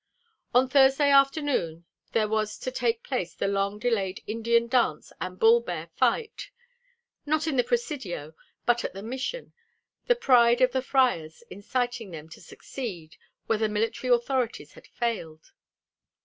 On Thursday afternoon there was to take place the long delayed Indian dance and bull bear fight; not in the Presidio, but at the Mission, the pride of the friars inciting them to succeed where the military authorities had failed.